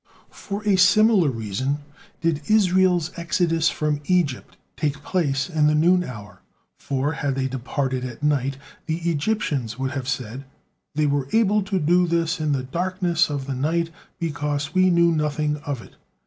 For a similar reason did Israel's exodus from Egypt take place in the noon hour, for, had they departed at night, the Egyptians would have said: "They were able to do this in the darkness of the night because we knew nothing of it.